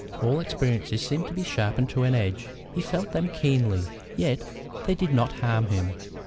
All experiences seemed to be sharpened to an edge. He felt them keenly, yet they did not harm him.